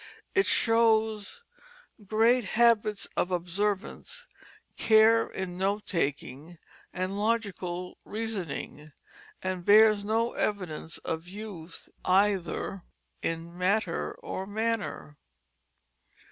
It shows great habits of observance, care in note taking, and logical reasoning; and bears no evidence of youth either in matter or manner.